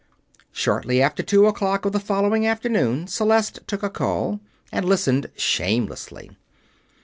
Shortly after two o'clock of the following afternoon, Celeste took a call; and listened shamelessly.